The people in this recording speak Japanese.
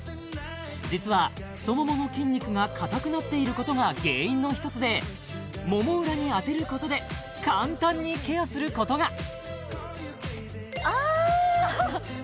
実は太ももの筋肉が硬くなっていることが原因の一つでもも裏に当てることで簡単にケアすることがあ！